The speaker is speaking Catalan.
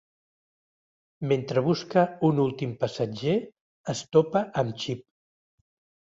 Mentre busca un últim passatger, es topa amb Chip.